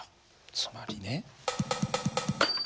つまりね。